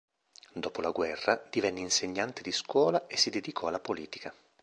Dopo la guerra divenne insegnante di scuola e si dedicò alla politica.